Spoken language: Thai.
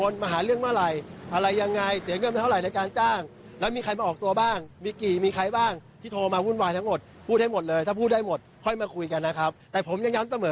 นี่อ่ะดูนะผมแค่จิกหัวเขาเฉยแต่ไม่ทำอะไรรุนแรง